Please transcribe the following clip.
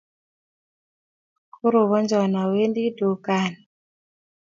kirobonjon awendi dukani